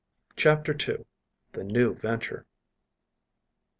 CHAPTER II. THE NEW VENTURE.